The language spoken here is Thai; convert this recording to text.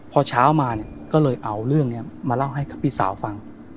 พอเช้ามาเนี่ยก็เลยเอาเรื่องนี้มาเล่าให้กับพี่สาวฟัง